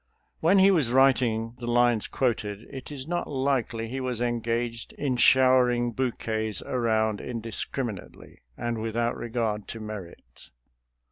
When he was writing the lines quoted it is not likely he was engaged in show FOURTH TEXAS AT GAINES' MILLS 315 ering bouquets around indiscriminately and without regard to merit.